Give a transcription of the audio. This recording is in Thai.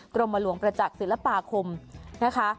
กรมหลวงประจักษ์ศิลปาคมนะคะ